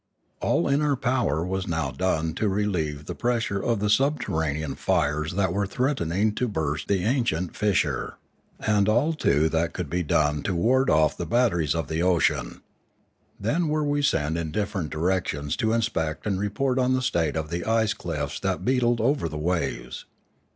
All in our power was now done to relieve the press ure of the subterranean fires that were threatening 646 Limanora to burst the ancient fissure; and all too that could be done to ward off the batteries of the ocean. Then were we sent in different directions to inspect and report on the state of the ice cliffs that beetled over the waves.